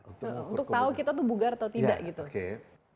untuk tahu kita tuh bugar atau tidak gitu